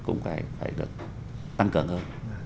cũng phải được tăng cường hơn